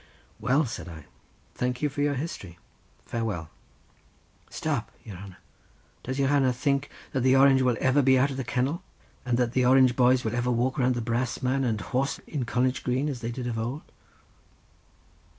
"Well," said I, "thank you for your history—farewell." "Stap, your hanner; does your hanner think that the Orange will ever be out of the kennel, and that the Orange boys will ever walk round the brass man and horse in College Green as they did of ould?"